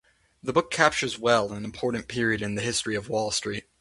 The book captures well an important period in the history of Wall Street.